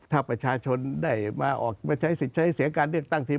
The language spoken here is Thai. ถ้าประชาชนได้มาออกมาใช้สิทธิ์ใช้เสียงการเลือกตั้งทีม